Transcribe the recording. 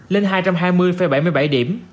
lên hai trăm hai mươi bảy mươi bảy điểm